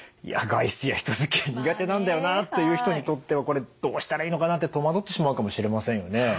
外出や人づきあい苦手なんだよなという人にとってはこれどうしたらいいのかなって戸惑ってしまうかもしれませんよね。